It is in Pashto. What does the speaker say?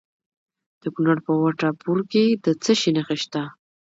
د کونړ په وټه پور کې د څه شي نښې دي؟